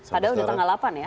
padahal udah tanggal delapan ya